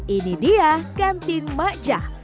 ini dia kantin mak jah